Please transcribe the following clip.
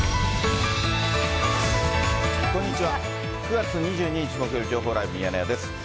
９月２２日木曜日、情報ライブミヤネ屋です。